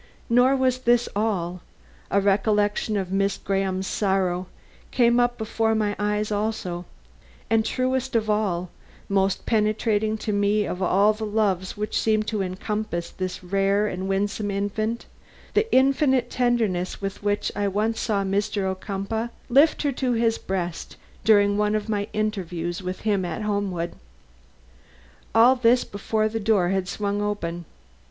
Nor was this all. A recollection of Miss Graham's sorrow came up before my eyes also, and, truest of all, most penetrating to me of all the loves which seemed to encompass this rare and winsome infant, the infinite tenderness with which I once saw Mr. Ocumpaugh lift her to his breast, during one of my interviews with him at Homewood. All this before the door had swung open.